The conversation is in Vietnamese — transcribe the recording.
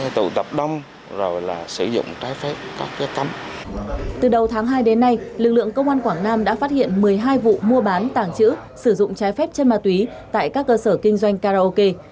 từ đầu tháng hai đến nay lực lượng công an quảng nam đã phát hiện một mươi hai vụ mua bán tàng trữ sử dụng trái phép chân ma túy tại các cơ sở kinh doanh karaoke